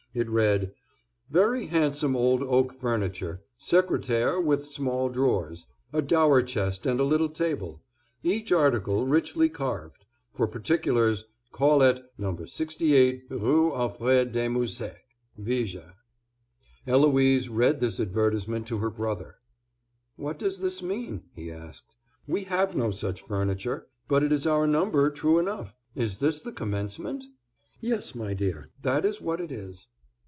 It read: "Very handsome old oak furniture. Secretaire with small drawers. A dower chest and a little table. Each article richly carved. For particulars call at No. 68 Rue Alfred de Musset, Viger." Eloise read this advertisement to her brother. "What does this mean?" he asked. "We have no such furniture, but it is our number true enough. Is this the commencement?" "Yes, my dear, that is what it is."